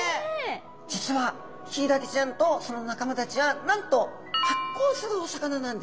実はヒイラギちゃんとその仲間たちはなんと発光するお魚なんですね。